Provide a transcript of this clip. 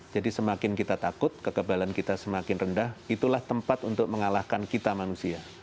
jadi semakin kita takut kekebalan kita semakin rendah itulah tempat untuk mengalahkan kita manusia